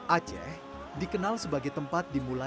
aceh dikenal sebagai tempat dimulai